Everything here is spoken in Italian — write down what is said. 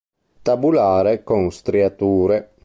Tabulare, con striature.